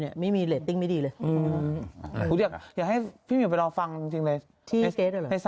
ยีดตูดมันไม่ใช่